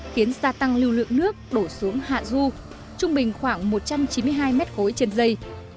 khiến gia tăng lưu lượng nước đổ xuống hạ du trung bình khoảng một trăm chín mươi hai mét khối trên dây